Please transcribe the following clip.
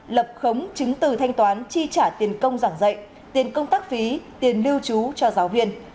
lập khống chứng từ thanh toán chi trả tiền công giảng dạy tiền công tác phí tiền lưu trú cho giáo viên